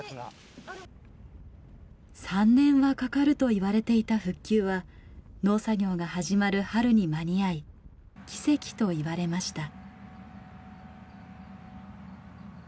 ３年はかかると言われていた復旧は農作業がはじまる春に間に合い「奇跡」と言われました。